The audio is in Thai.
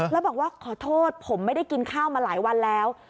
แล้วบอกว่าขอโทษผมไม่ได้กินข้าวมาหลายวันแล้ว